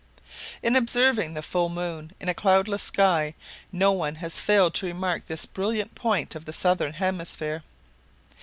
In observing the full moon in a cloudless sky no one has failed to remark this brilliant point of the southern hemisphere.